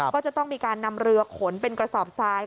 ก็จะต้องมีการนำเรือขนเป็นกระสอบซ้าย